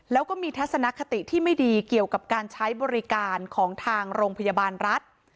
แล้วก็มีทัศนคติที่ไม่ดีเกี่ยวกับการใช้บริการของทางโรงพยาบาลรัฐ